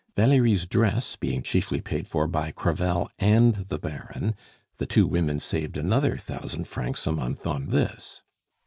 Valerie's dress being chiefly paid for by Crevel and the Baron, the two women saved another thousand francs a month on this.